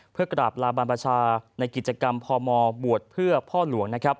เพื่อกราบราบราชาในกิจกรรมพมบวชเพื่อพ่อหลวง